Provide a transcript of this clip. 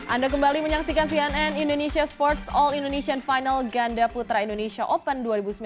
anda kembali menyaksikan cnn indonesia sports all indonesian final ganda putra indonesia open dua ribu sembilan belas